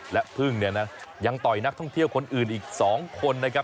และพึ่งเนี่ยนะยังต่อยนักท่องเที่ยวคนอื่นอีก๒คนนะครับ